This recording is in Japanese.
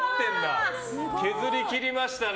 削り切りましたね。